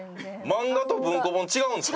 漫画と文庫本違うんですか？